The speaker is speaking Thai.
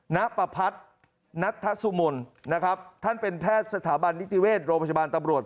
ณประพัฒนสุมนนะครับท่านเป็นแพทย์สถาบันนิติเวชโรงพยาบาลตำรวจ